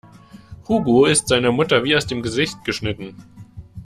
Hugo ist seiner Mutter wie aus dem Gesicht geschnitten.